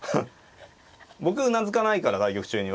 僕うなずかないから対局中に。